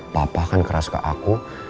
papa kan keras ke aku